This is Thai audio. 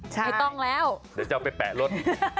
ไม่ต้องแล้วเดี๋ยวจะเอาไปแปะรถ